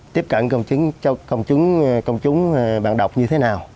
tiếp cận công chứng công chứng công chúng bạn đọc như thế nào